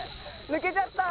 抜けちゃった。